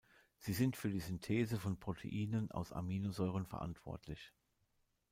Sie sind für die Synthese von Proteinen aus Aminosäuren verantwortlich.